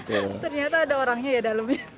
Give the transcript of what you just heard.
ternyata ada orangnya ya dalamnya